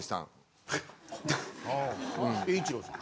英一郎さん。